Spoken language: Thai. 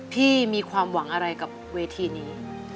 มีความหวังอะไรกับเวทีนี้